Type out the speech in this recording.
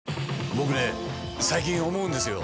僕ね最近思うんですよ。